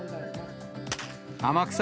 天草